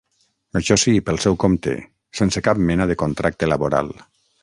Això sí, pel seu compte, sense cap mena de contracte laboral.